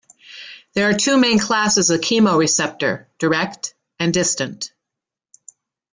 There are two main classes of chemoreceptor: direct and distance.